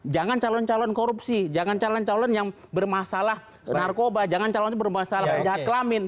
jangan calon calon korupsi jangan calon calon yang bermasalah narkoba jangan calon calon yang bermasalah jahat kelamin